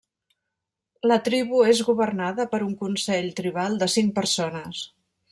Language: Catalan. La tribu és governada per un consell tribal de cinc persones.